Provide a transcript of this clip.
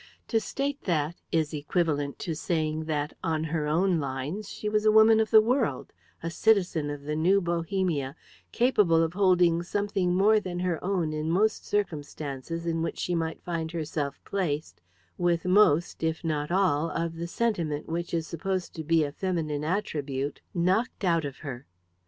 To state that is equivalent to saying that, on her own lines, she was a woman of the world, a citizen of the New Bohemia, capable of holding something more than her own in most circumstances in which she might find herself placed, with most, if not all, of the sentiment which is supposed to be a feminine attribute knocked out of her.